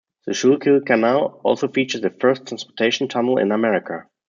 The Schuylkill Canal also featured the first transportation tunnel in America.